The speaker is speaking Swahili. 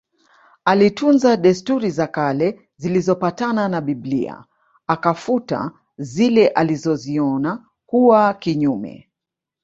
Alitunza desturi za kale zilizopatana na Biblia akafuta zile alizoziona kuwa kinyume